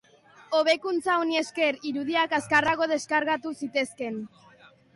Hobekuntza honi esker, irudiak azkarrago deskargatu zitezkeen.